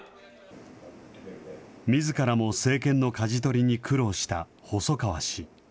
みずからも政権のかじ取りに苦労した細川氏。